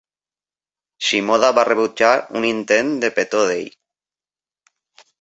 Shimoda va rebutjar un intent de petó d'ell.